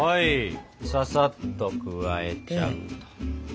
ささっと加えちゃって。